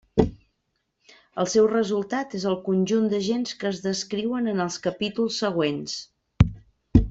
El seu resultat és el conjunt d'agents que es descriuen en els capítols següents.